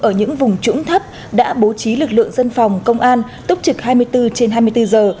ở những vùng trũng thấp đã bố trí lực lượng dân phòng công an túc trực hai mươi bốn trên hai mươi bốn giờ